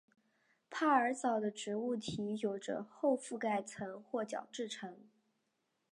派卡藻的植物体有着厚覆盖层或角质层。